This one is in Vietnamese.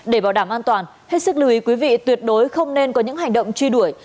để bảo đảm an toàn hết sức lưu ý quý vị tuyệt đối không nên có những hành động truy đuổi